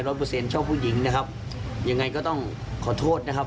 เปอร์เซ็นต์ชอบผู้หญิงนะครับยังไงก็ต้องขอโทษนะครับ